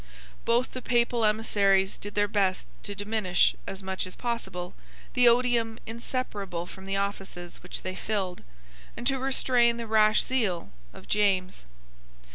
Both the Papal emissaries did their best to diminish, as much as possible, the odium inseparable from the offices which they filled, and to restrain the rash zeal of James.